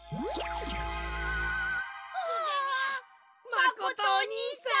まことおにいさん！